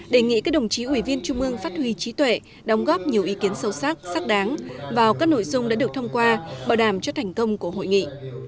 đề nghị các đồng chí ủy viên trung ương phát huy trí tuệ đóng góp nhiều ý kiến sâu sắc sắc đáng vào các nội dung đã được thông qua bảo đảm cho thành công của hội nghị